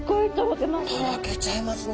とろけちゃいますね